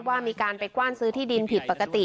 ว่ามีการไปกว้านซื้อที่ดินผิดปกติ